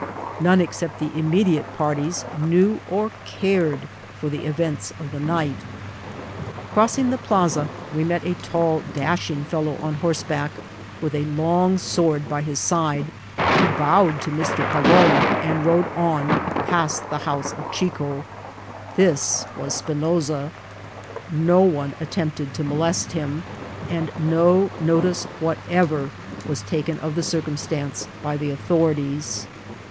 None except the immediate parties knew or cared for the events of the night. Croscong the plaza, we met a tall, dashing fellow on horseback, with a long sword by his side, who bowed to Mr. PaTon, and rode on past the house of Chico. This was Spinosa. No one attempted to molest him, and no notice whatever was taken of the circumstance by the authorities.